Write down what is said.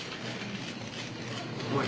うまい。